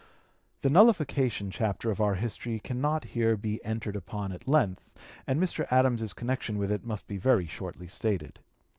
The nullification chapter of our history cannot here be entered (p. 234) upon at length, and Mr. Adams's connection with it must be very shortly stated.